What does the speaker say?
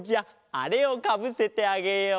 あれをかぶせてあげよう。